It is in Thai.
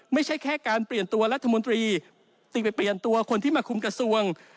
ไม่ใช่แค่การเปลี่ยนตัวรัฐมนตรีจึงไปเปลี่ยนตัวคนที่มาคุมกระทรวง